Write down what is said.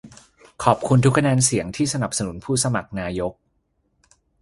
ขอขอบคุณทุกคะแนนเสียงที่สนับสนุนผู้สมัครนายก